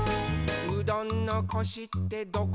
「うどんのコシってどこなんよ？」